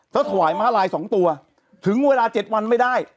ถ้าถวายม้าลาย๒ตัวถึงเวลา๗วันไม่ได้